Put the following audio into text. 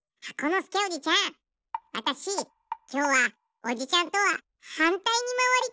きょうはおじちゃんとははんたいにまわりたいんだけど！